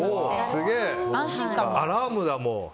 アラームだ、もう。